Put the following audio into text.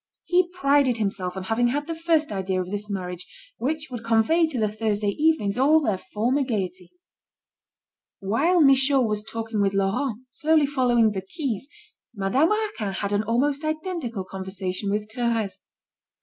He prided himself on having had the first idea of this marriage which would convey to the Thursday evenings all their former gaiety. While Michaud was talking with Laurent, slowly following the quays, Madame Raquin had an almost identical conversation with Thérèse.